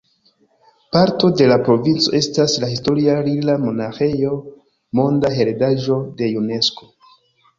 Parto de la provinco estas la historia Rila-monaĥejo, Monda Heredaĵo de Unesko.